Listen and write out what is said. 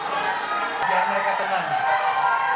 jangan mereka tenang